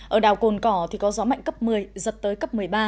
ở đảo cồn cỏ thì có gió mạnh cấp một mươi giật tới cấp một mươi ba